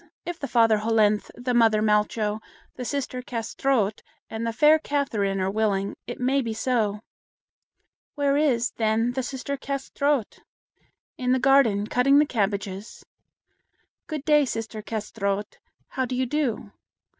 if the father Hollenthe, the mother Malcho, the sister Kâsetraut, and the fair Catherine are willing, it may be so. "Where is, then, the sister Kâsetraut?" "In the garden, cutting the cabbages." "Good day, sister Kâsetraut. How do you do?"